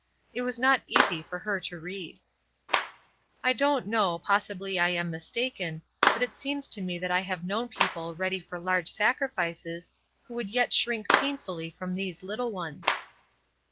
It was not easy for her to read. I don't know, possibly I am mistaken, but it seems to me that I have known people ready for large sacrifices, who yet would shrink painfully from these little ones.